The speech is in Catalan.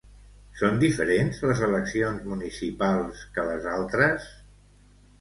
Són diferents les eleccions municipals que les altres?